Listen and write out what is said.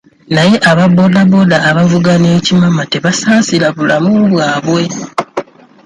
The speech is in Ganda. Naye aba booda booda abavuga n'ekimama tebasaasira bulamu bwabwe.